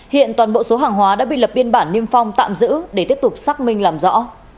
hiện toàn bộ số hàng hóa đã bị lập biên bản niêm phong tạm giữ để tiếp tục xác minh làm rõ